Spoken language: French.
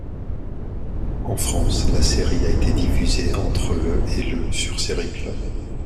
En France, la série a été diffusée entre le et le sur Sérieclub.